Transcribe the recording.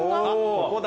ここだ。